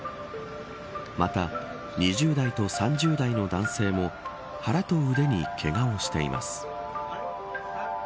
また、２０代と３０代の男性も腹と腕にけがをしています。